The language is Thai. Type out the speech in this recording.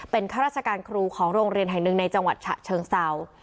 เป็นข้าราชการครูของโรงเรียนแห่งหนึ่งในจังหวัดฉะเชิงเศร้า